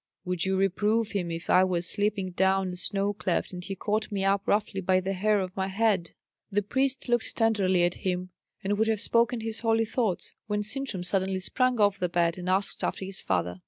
Would you reprove him if I were slipping down a snow cleft, and he caught me up roughly by the hair of my head?" The priest looked tenderly at him, and would have spoken his holy thoughts, when Sintram suddenly sprang off the bed and asked after his father.